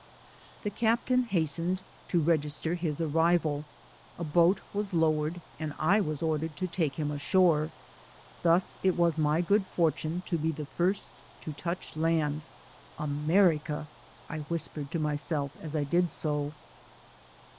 The captain has tened to register his arrival. A boat was lowered, and I was ordered to take him ashore; thus it was my good fortune to be the first to touch land. "America !" I whispered to myself as I did so.